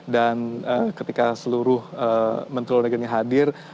dan ketika seluruh menteri luar negeri yang hadir